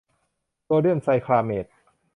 โซเดียมไซคลาเมต